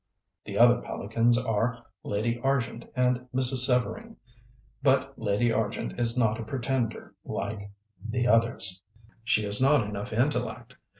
The other Pelicans are Lady Argent and Mrs. Severing. But Lady Argent is not a pretender like the others; she has not enough intellect.